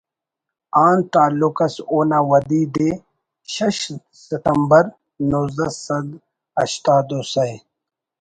آن تعلق ئس اونا ودی دے شش ستمبر نوزدہ سد ہشتاد و سہ